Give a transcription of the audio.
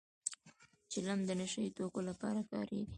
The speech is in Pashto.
چلم د نشه يي توکو لپاره کارېږي